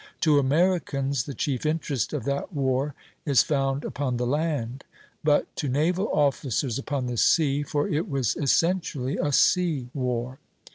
To Americans, the chief interest of that war is found upon the land; but to naval officers upon the sea, for it was essentially a sea war.